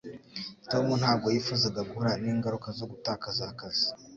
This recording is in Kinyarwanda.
Tommy ntabwo yifuzaga guhura n'ingaruka zo gutakaza akazi